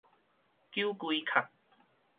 九歸殼